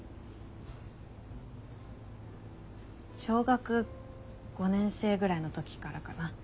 小学５年生ぐらいの時からかな？